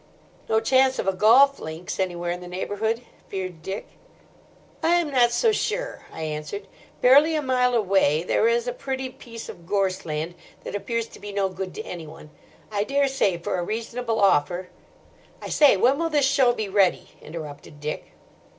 "No chance of a golf links anywhere in the neighbourhood?" feared Dick. "I am not so sure," I answered. "Barely a mile away there is a pretty piece of gorse land that appears to be no good to anyone. I daresay for a reasonable offer—" "I say, when will this show be ready?" interrupted Dick.